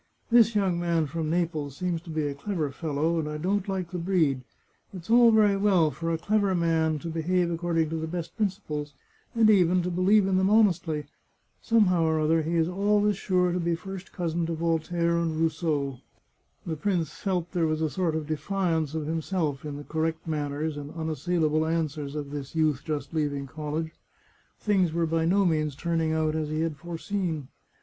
" This young man from Naples seems to be a clever fellow, and I don't like the breed. It's all very well for a clever man to behave according to the best principles, and even to believe in them honestly — somehow or other he is always sure to be first cousin to Voltaire and Rousseau I " The prince felt there was a sort of defiance of himself in the correct manners and unassailable answers of this youth just leaving college ; things were by no means turning out as he had foreseen.